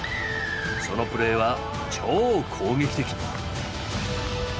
そのプレーは「超攻撃的」。